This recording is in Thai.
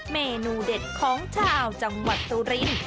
เมนูเด็ดของชาวจังหวัดสุรินทร์